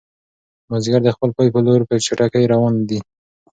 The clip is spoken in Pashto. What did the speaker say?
مازیګر د خپل پای په لور په چټکۍ روان دی.